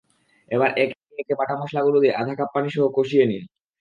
এবার একে একে বাটা মসলাগুলো দিয়ে আধা কাপ পানিসহ কষিয়ে নিন।